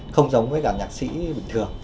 không giống với cả nhạc sĩ bình thường